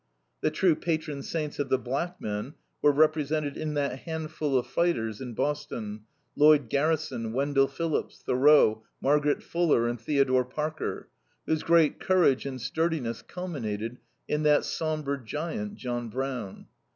The true patron saints of the black men were represented in that handful of fighters in Boston, Lloyd Garrison, Wendell Phillips, Thoreau, Margaret Fuller, and Theodore Parker, whose great courage and sturdiness culminated in that somber giant, John Brown.